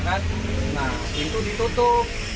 nah pintu ditutup